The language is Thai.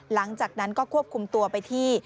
หลังจากนั้นก็ควบคุมตัวไปที่